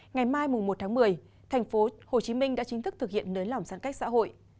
ngày mai một tháng một mươi tp hcm đã chính thức thực hiện nới lỏng giãn cách xã hội